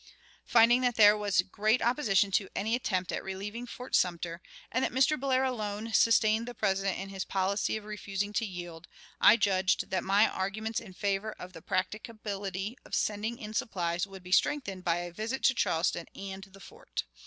"Finding that there was great opposition to any attempt at relieving Fort Sumter, and that Mr. Blair alone sustained the President in his policy of refusing to yield, I judged that my arguments in favor of the practicability of sending in supplies would be strengthened by a visit to Charleston and the fort.